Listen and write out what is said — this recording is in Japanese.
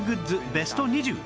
ベスト２０